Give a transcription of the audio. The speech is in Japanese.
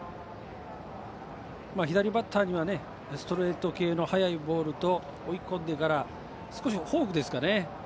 左バッターにはストレート系の速いボールと追い込んでからフォークですかね。